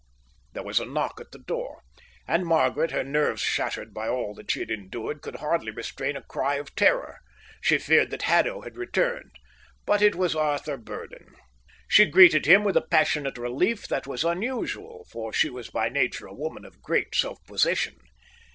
There was a knock at the door; and Margaret, her nerves shattered by all that she had endured, could hardly restrain a cry of terror. She feared that Haddo had returned. But it was Arthur Burdon. She greeted him with a passionate relief that was unusual, for she was by nature a woman of great self possession.